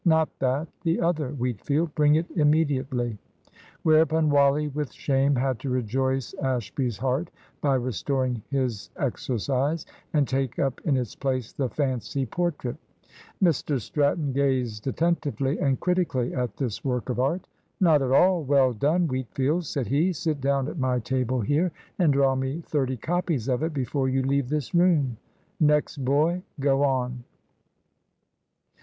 "Not that; the other, Wheatfield. Bring it immediately." Whereupon Wally with shame had to rejoice Ashby's heart by restoring his exercise, and take up in its place the fancy portrait. Mr Stratton gazed attentively and critically at this work of art. "Not at all well done, Wheatfield," said he. "Sit down at my table here and draw me thirty copies of it before you leave this room. Next boy, go on."